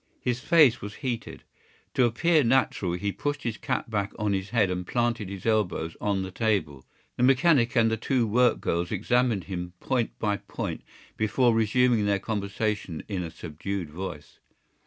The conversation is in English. His face was heated. To appear natural he pushed his cap back on his head and planted his elbows on the table. The mechanic and the two work girls examined him point by point before resuming their conversation in a subdued voice.